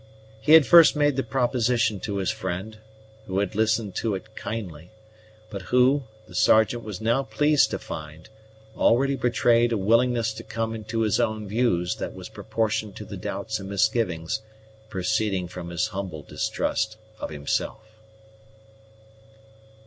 He had first made the proposition to his friend, who had listened to it kindly, but who, the Sergeant was now pleased to find, already betrayed a willingness to come into his own views that was proportioned to the doubts and misgivings proceeding from his humble distrust of himself.